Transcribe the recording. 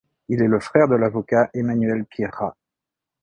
Il est le frère de l'avocat Emmanuel Pierrat.